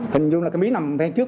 hình dung là cái mí nằm phía trước